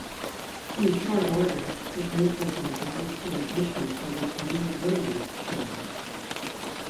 In short order, the group was invited to audition for "The Andy Williams Show".